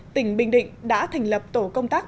tỉnh bình định đã thành lập tổ công tác